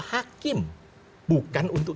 hakim bukan untuk